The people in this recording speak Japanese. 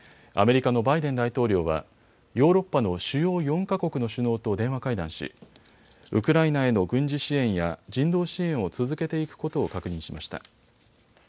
アメリカのバイデン大統領はヨーロッパの主要４か国の首脳と電話会談しウクライナへの軍事支援や人道支援を続けていくことを確認しました。